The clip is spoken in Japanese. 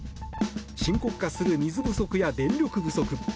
深刻化する水不足や電力不足。